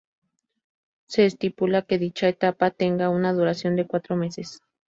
Se estipula que dicha etapa tenga una duración de cuatro meses.